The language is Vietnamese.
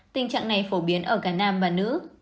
tình trạng này phổ biến ở cả nam và nữ